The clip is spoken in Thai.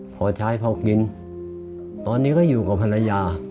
พอใช้พอกินตอนนี้ก็อยู่กับภรรยา